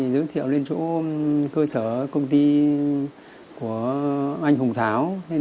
giới thiệu lên chỗ cơ sở công ty của anh hùng tháo